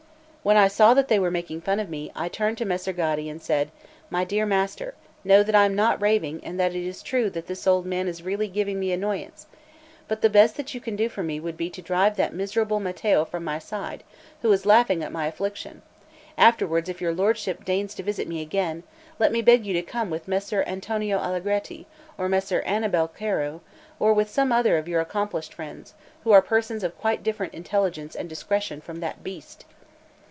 When I saw that they were making fun of me, I turned to Messer Gaddi and said: "My dear master, know that I am not raving, and that it is true that this old man is really giving me annoyance; but the best that you can do for me would be to drive that miserable Mattio from my side, who is laughing at my affliction, afterwards if your lordship deigns to visit me again, let me beg you to come with Messer Antonio Allegretti, or with Messer Annibal Caro, or with some other of your accomplished friends, who are persons of quite different intelligence and discretion from that beast."